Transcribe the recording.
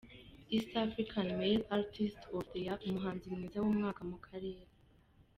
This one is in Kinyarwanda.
East African Male Artist of the year: Umuhanzi mwiza w’umwaka mu karere.